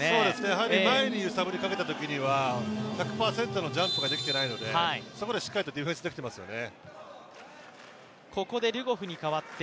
やはり前に揺さぶりをかけたときには１００％のジャンプができていないのでそこでしっかりとディフェンスできていますよね。